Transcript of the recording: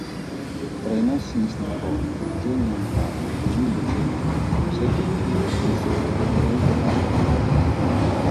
Tra i massimi estimatori, Eugenio Montale, Emilio Cecchi, Giuseppe De Robertis, Enrico Falqui.